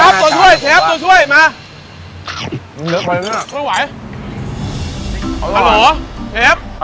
และกลับมาทานอีกครั้งอย่างแน่นอน